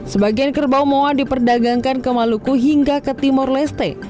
sebagian kerbau moa diperdagangkan ke maluku hingga ke timur leste